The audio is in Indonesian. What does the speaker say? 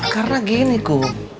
karena gini kum